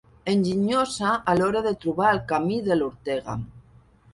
Enginyosa a l'hora de trobar el camí de l'Ortega.